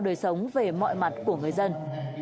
đời sống về mọi mặt của người dân